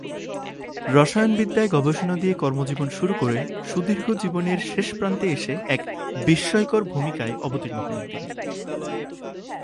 রসায়নবিদ্যায় গবেষণা দিয়ে কর্মজীবন শুরু করে, সুদীর্ঘ জীবনের শেষ প্রান্তে এসে এক বিস্ময়কর ভূমিকায় অবতীর্ণ হলেন তিনি।